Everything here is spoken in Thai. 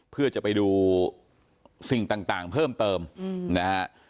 เพื่อจะไปดูสิ่งต่างเพิ่มเติมนะฮะ